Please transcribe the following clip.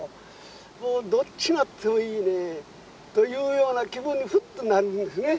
もうどっちなってもいいね。というような気分にふっとなるんですね。